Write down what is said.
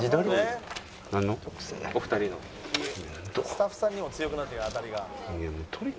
「スタッフさんにも強くなってる当たりが」